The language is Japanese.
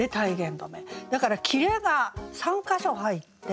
だから切れが３か所入って。